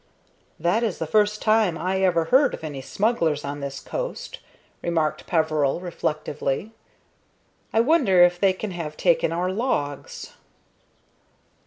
"That is the first time I ever heard of any smugglers on this coast," remarked Peveril, reflectively. "I wonder if they can have taken our logs?"